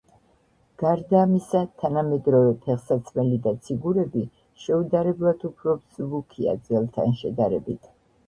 გარდა ამისა თანამედროვე ფეხსაცმელი და ციგურები შეუდარებლად უფრო მსუბუქია, ძველთან შედარებით.